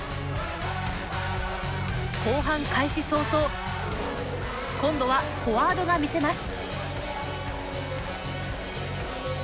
後半開始早々今度はフォワードが見せます。